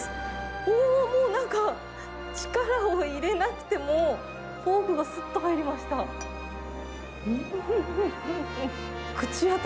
おー、もうなんか、力を入れなくても、フォークがすっと入りました。